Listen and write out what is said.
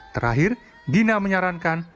terakhir gina menyarankan